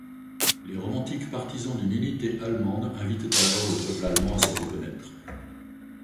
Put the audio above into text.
Les romantiques partisans d'une unité allemande invitent alors le peuple allemand à se reconnaitre.